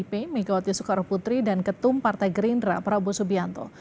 megawati soekarno putri dan ketum partai gerindra prabowo subianto